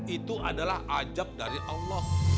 itu adalah ajab dari allah